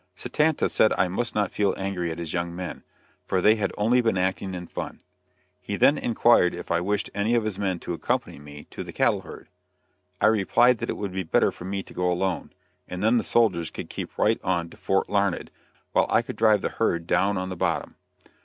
Satanta said I must not feel angry at his young men, for they had only been acting in fun. He then inquired if I wished any of his men to accompany me to the cattle herd. I replied that it would be better for me to go alone, and then the soldiers could keep right on to Fort Larned, while I could drive the herd down on the bottom.